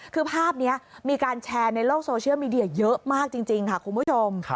คือภาพนี้มีการแชร์ในโลกโซเชียลมีเดียเยอะมากจริงค่ะคุณผู้ชม